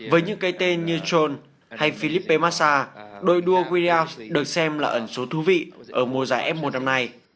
với những cây tên như john hay felipe massa đội đua williams được xem là ẩn số thú vị ở mùa giải f một năm nay